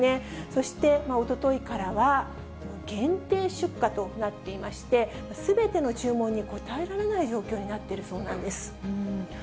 そして、おとといからは限定出荷となっていまして、すべての注文に応えられない状況になっているそうなんです。